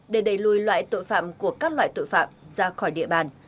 để đẩy lùi loại tội phạm của các loại tội phạm ra khỏi địa bàn